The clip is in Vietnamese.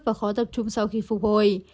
và khó tập trung sau khi phục hồi